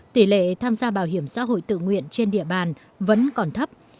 tỷ lệ tham gia bảo hiểm xã hội tự nguyện trên địa bàn vẫn còn thấp